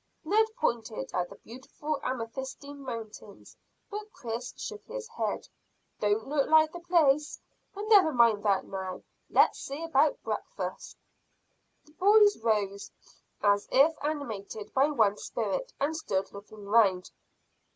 Ned pointed at the beautiful amethystine mountains, but Chris shook his head. "Don't look like the place; but never mind that now. Let's see about breakfast." The boys rose as if animated by one spirit, and stood looking round.